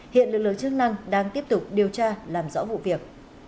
hiện lực lượng chức năng đang tiếp tục điều tra làm rõ vụ việc